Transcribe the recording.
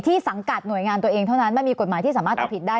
สังกัดหน่วยงานตัวเองเท่านั้นมันมีกฎหมายที่สามารถเอาผิดได้